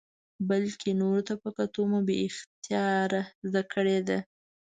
بلکې نورو ته په کتلو مو بې اختیاره زده کړې ده.